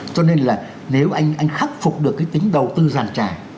cho nên là nếu anh anh khắc phục được cái tính đầu tư giàn trải